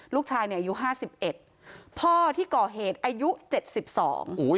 ลูกชายเนี่ยอายุห้าสิบเอ็ดพ่อที่ก่อเหตุอายุเจ็ดสิบสองอุ้ย